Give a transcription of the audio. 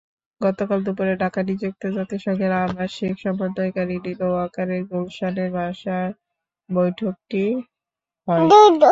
গতকাল দুপুরে ঢাকায় নিযুক্ত জাতিসংঘের আবাসিক সমন্বয়কারী নিল ওয়াকারের গুলশানের বাসায় বৈঠকটি হয়।